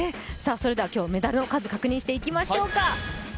それでは今日、メダルの数確認していきましょうか。